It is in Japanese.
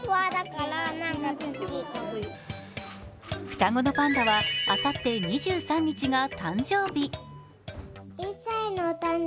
双子のパンダはあさって２３日が誕生日。